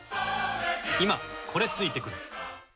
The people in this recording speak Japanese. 今これ付いてくる。